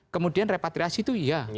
kemudian repatriasi itu iya